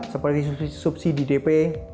seperti subsidi dp